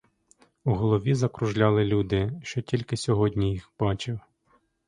У голові закружляли люди, що тільки сьогодні їх бачив.